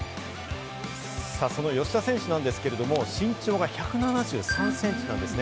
その吉田選手なんですけれども、身長が１７３センチなんですね。